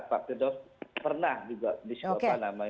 pak pirdos pernah juga